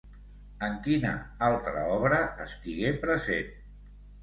En quina altra obra estigué present?